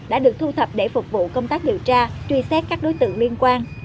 đã được thu thập để phục vụ công tác điều tra truy xét các đối tượng liên quan